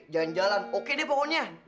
jalan jalan oke deh pohonnya